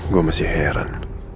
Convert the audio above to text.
gue masih heran